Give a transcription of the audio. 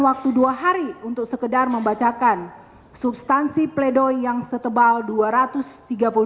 waktu dua hari untuk sekedar membacakan substansi pleidoy yang setebal dua ratus tiga puluh dua halaman tersebut sungguh